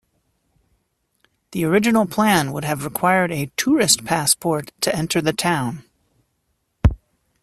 The original plan would have required a "tourist passport" to enter the town.